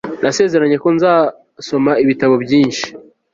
nasezeranye ko nzasoma ibitabo byinshi